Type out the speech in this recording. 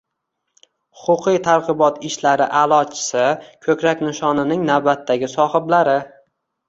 “Huquqiy targ‘ibot ishlari a’lochisi” ko‘krak nishonining navbatdagi sohiblari